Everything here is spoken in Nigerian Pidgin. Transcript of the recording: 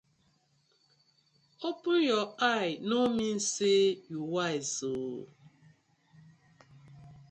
Open eye no mean say yu wise ooo.